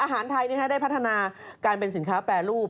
อาหารไทยได้พัฒนาการเป็นสินค้าแปรรูป